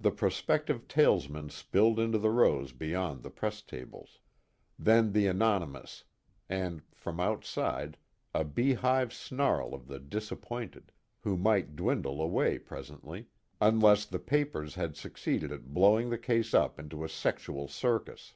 The prospective talesmen spilled into the rows beyond the press tables. Then the anonymous; and from outside, a beehive snarl of the disappointed, who might dwindle away presently, unless the papers had succeeded at blowing the case up into a sexual circus.